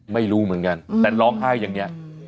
ไม่รู้เหมือนกันแต่ร้องไห้อย่างนี้